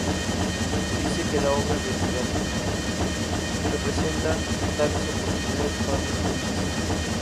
Se dice que la obra de Vivaldi presenta tales oportunidades para la improvisación.